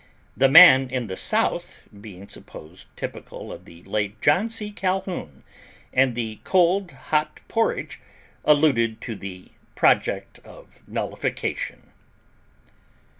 "The man in the South," being supposed typical of the late John C. Calhoun, and the "cold, hot porridge," alluded to the project of nullification.